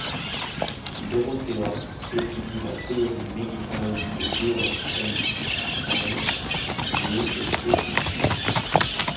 Dorothea étudie la théorie médicale de Georg Ernst Stahl, liée au piétisme.